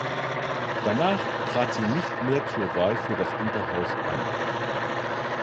Danach trat sie nicht mehr zur Wahl für das Unterhaus an.